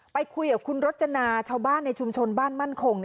ไปคุยกับคุณรจนาชาวบ้านในชุมชนบ้านมั่นคง